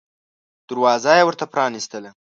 دروازه یې ورته پرانیستله.